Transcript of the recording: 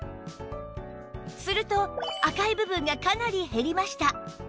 すると赤い部分がかなり減りました